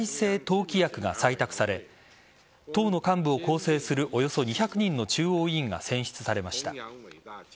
党規約が採択され党の幹部を構成するおよそ２００人の中央委員が選出されました。